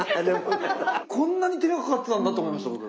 こんなに手間かかってたんだって思いました僕。